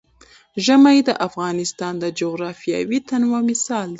ژمی د افغانستان د جغرافیوي تنوع مثال دی.